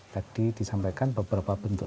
tadi disampaikan beberapa bentuk